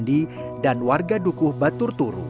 ibda ali suwandi dan warga dukuh baturturu